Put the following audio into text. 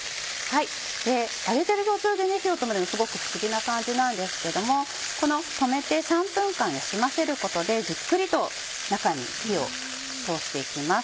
揚げてる途中で火を止めるのすごく不思議な感じなんですけども止めて３分間休ませることでじっくりと中に火を通していきます。